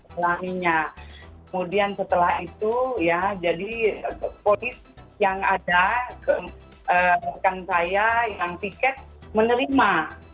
kemudian setelah itu ya jadi polis yang ada rekan saya yang tiket menerima